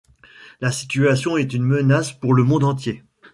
La situation est une menace pour le monde entier.